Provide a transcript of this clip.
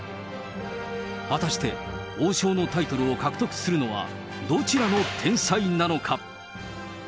果たして、王将のタイトルを獲得するのはどちらの天才なのか。